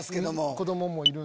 子供もいるんで。